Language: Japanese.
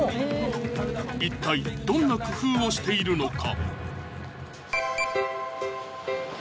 一体どんな工夫をしているのか？